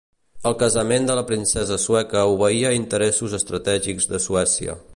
El casament de la princesa sueca obeïa a interessos estratègics de Suècia.